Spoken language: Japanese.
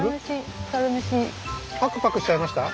パクパクしちゃいました？